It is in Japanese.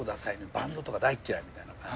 バンドとか大っ嫌いみたいな感じで。